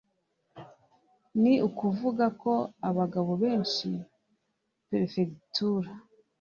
ni ukuvuga ko abagabo benshi perefegitura